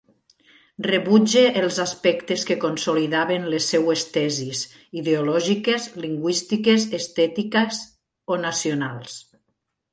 Rebutge els aspectes que consolidaven les seues tesis ideològiques, lingüístiques, estètiques o nacionals.